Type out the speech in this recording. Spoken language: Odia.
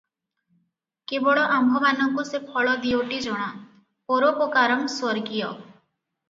କେବଳ ଆମ୍ଭମାନଙ୍କୁ ସେ ଫଳ ଦିଓଟି ଜଣା 'ପରୋପକାରଂ ସ୍ୱର୍ଗୀୟ' ।